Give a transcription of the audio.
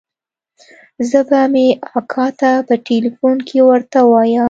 زه به مې اکا ته په ټېلفون کښې ورته ووايم.